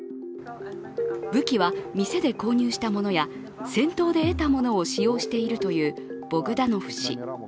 武器は店で購入したものや戦闘で得たものを使用しているというボグダノフ氏。